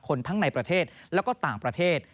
ทั้งในประเทศแล้วก็ต่างประเทศ